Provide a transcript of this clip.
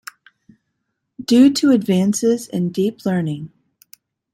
Due to advances in deep learning.